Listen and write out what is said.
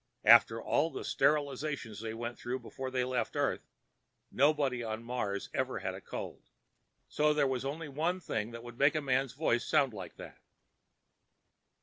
After all the sterilization they went through before they left Earth, nobody on Mars ever had a cold, so there was only one thing that would make a man's voice sound like that.